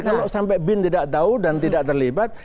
kalau sampai bin tidak tahu dan tidak terlibat